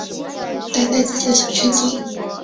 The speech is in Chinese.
待在自己的小圈子里